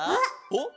あっ！